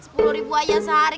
sepuluh ribu aja sehari